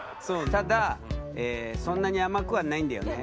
ただそんなに甘くはないんだよね。